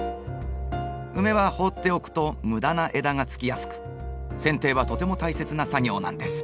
ウメは放っておくと無駄な枝がつきやすくせん定はとても大切な作業なんです。